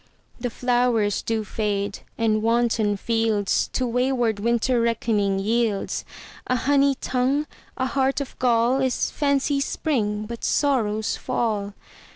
The flowers do fade, and wanton fieldsTo wayward Winter reckoning yields:A honey tongue, a heart of gall, Is fancy's spring, but sorrow's fall.